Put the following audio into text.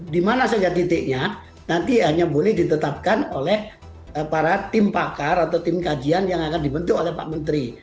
di mana saja titiknya nanti hanya boleh ditetapkan oleh para tim pakar atau tim kajian yang akan dibentuk oleh pak menteri